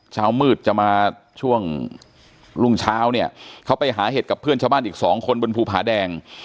เช้ามืดจะมาช่วงรุ่งเช้าเนี่ยเขาไปหาเห็ดกับเพื่อนชาวบ้านอีกสองคนบนภูผาแดง